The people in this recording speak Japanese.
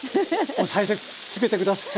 押さえつけて下さい。